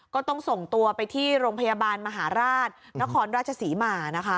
ก็ต้องส่งตัวไปที่โรงพยาบาลมหาราชนครราชศรีมานะคะ